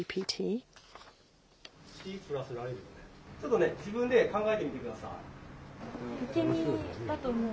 ちょっと自分で考えてみてください。